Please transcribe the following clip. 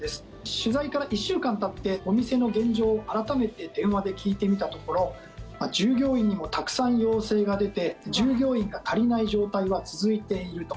取材から１週間たってお店の現状を改めて電話で聞いてみたところ従業員にもたくさん陽性が出て従業員が足りない状態は続いていると。